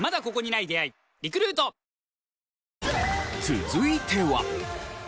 続いては。